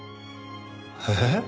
えっ？